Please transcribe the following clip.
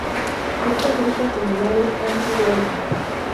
Muchos listas similares han sido hechas.